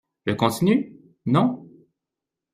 Je continue? Non ?